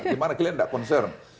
gimana kalian gak concern